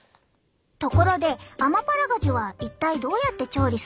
ところでアマパラガジュは一体どうやって調理すると思う？